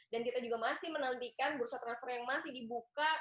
kita juga masih menantikan bursa transfer yang masih dibuka